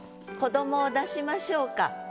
「子ども」を出しましょうか。